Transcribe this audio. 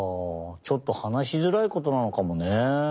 ちょっと話しづらいことなのかもね。